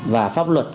và pháp luật cũng